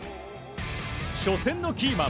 初戦のキーマン